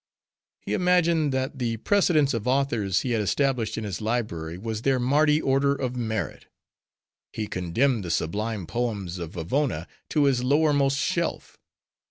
He imagined, that the precedence of authors he had established in his library, was their Mardi order of merit. He condemned the sublime poems of Vavona to his lowermost shelf.